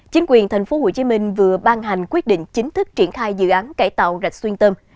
chính quyền tp hcm vừa ban hành quyết định chính thức triển khai dự án cải tạo rạch xuyên tâm